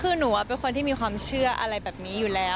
คือหนูว่าเป็นคนที่มีความเชื่ออะไรแบบนี้อยู่แล้ว